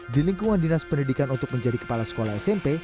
di lingkungan dinas pendidikan untuk menjadi kepala sekolah smp